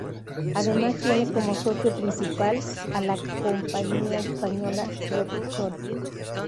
Además tiene como socio principal a la compañía española Repsol.